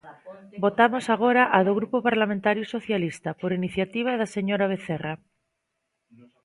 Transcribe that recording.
Votamos agora a do Grupo Parlamentario Socialista, por iniciativa da señora Vecerra.